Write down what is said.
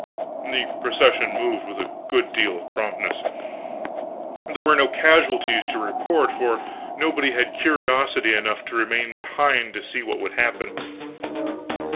The procession moved with a good deal of promptness. There were no casualties to report, for nobody had curiosity enough to remain behind to see what would happen.